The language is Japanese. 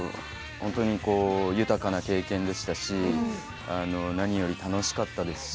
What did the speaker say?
本当に豊かな経験でしたし何より楽しかったですし。